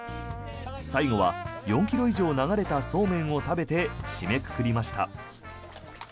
最後は４ｋｍ以上流れたそうめんを食べて締めくくりました。